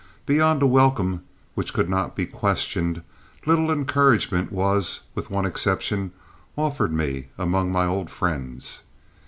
Beyond a welcome which could not be questioned, little encouragement was, with one exception, offered me among my old friends.